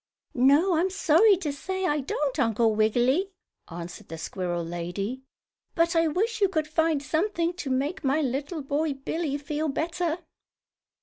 "No, I'm sorry to say I don't, Uncle Wiggily," answered the squirrel lady. "But I wish you could find something to make my little boy Billie feel better."